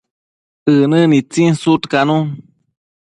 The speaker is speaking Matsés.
ënë nitsin sudcanun